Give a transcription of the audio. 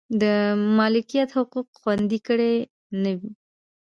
د مالکیت حقوق خوندي کړي نه و.